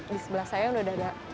di sebelah saya sudah ada cuek ape nih